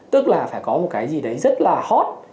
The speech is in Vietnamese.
tức là phải có một cái gì đấy rất là hot